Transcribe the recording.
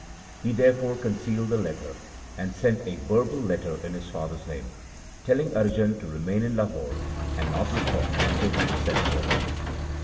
He therefore concealed the letter and sent a verbal reply in his father's name, telling Arjan to remain in Lahore and not return until he was sent for.